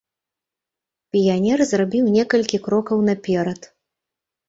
Піянер зрабіў некалькі крокаў наперад.